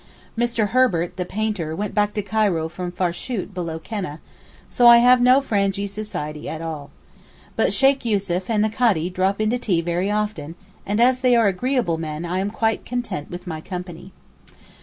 Mr. Herbert, the painter, went back to Cairo from Farshoot below Keneh; so I have no 'Frangee' society at all. But Sheykh Yussuf and the Kadee drop in to tea very often and as they are agreeable men I am quite content with my company.